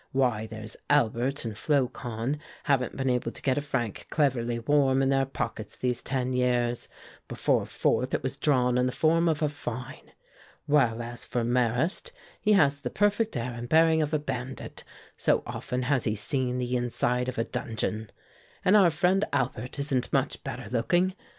Why, there's Albert and Flocon haven't been able to get a franc cleverly warm in their pockets these ten years, before forth it was drawn in the form of a fine; while as for Marrast, he has the perfect air and bearing of a bandit, so often has he seen the inside of a dungeon; and our friend Albert isn't much better looking.